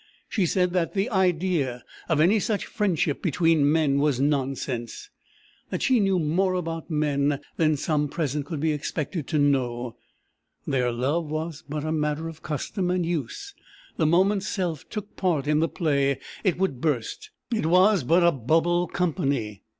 She said that the idea of any such friendship between men was nonsense; that she knew more about men than some present could be expected to know: their love was but a matter of custom and use; the moment self took part in the play, it would burst; it was but a bubble company!